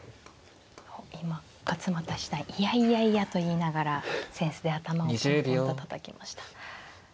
今勝又七段「いやいやいや」と言いながら扇子で頭をポンポンとたたきました。